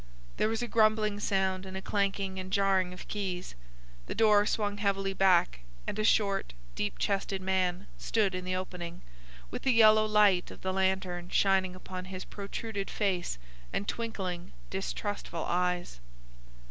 There was a grumbling sound and a clanking and jarring of keys. The door swung heavily back, and a short, deep chested man stood in the opening, with the yellow light of the lantern shining upon his protruded face and twinkling distrustful eyes.